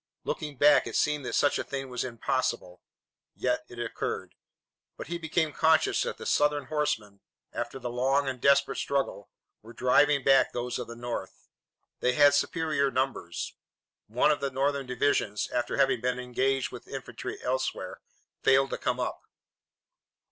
Looking back, it seemed that such a thing was impossible. Yet it occurred. But he became conscious that the Southern horsemen, after the long and desperate struggle, were driving back those of the North. They had superior numbers. One of the Northern divisions, after having been engaged with infantry elsewhere, failed to come up.